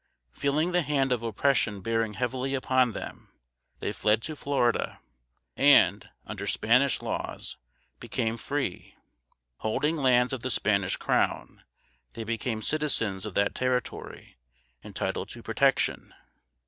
Feeling the hand of oppression bearing heavily upon them, they fled to Florida, and, under Spanish laws, became free. Holding lands of the Spanish Crown, they became citizens of that Territory, entitled to protection.